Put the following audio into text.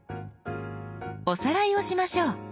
おさらいをしましょう。